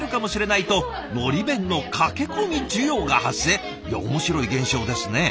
いや面白い現象ですね。